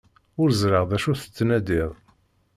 Ur ẓriɣ d acu tettnadiḍ.